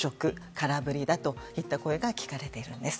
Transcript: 空振りだといった声が聞かれているんです。